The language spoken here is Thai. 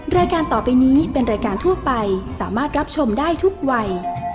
รายการต่อไปนี้เป็นรายการทั่วไปสามารถรับชมได้ทุกวัย